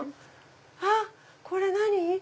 あっこれ何？